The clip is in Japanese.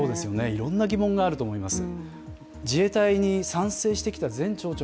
いろんな疑問があると思います。